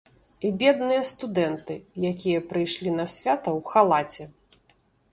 І бедныя студэнты, якія прыйшлі на свята ў халаце.